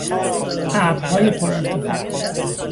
ابرهای پرارتفاع